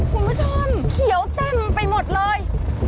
คุณผู้ชมเขียวเต็มไปหมดเลย